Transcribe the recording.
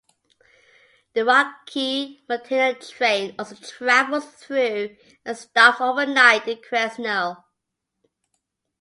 The Rocky Mountaineer train also travels through and stops overnight in Quesnel.